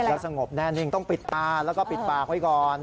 แล้วสงบแน่นิ่งต้องปิดตาแล้วก็ปิดปากไว้ก่อน